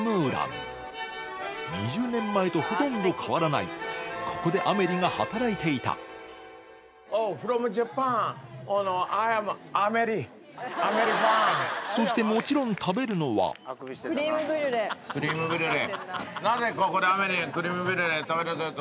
２０年前とほとんど変わらないここでアメリが働いていたそしてもちろん食べるのはクリームブリュレ。